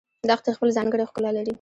دښتې خپل ځانګړی ښکلا لري